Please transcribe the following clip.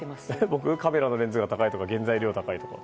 僕カメラのレンズが高いとか原材料が高いとか。